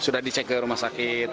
sudah dicek ke rumah sakit